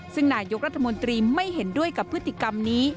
ซึ่งนายกรัฐมนตรีไม่เห็นด้วยกับพฤติกรรมนี้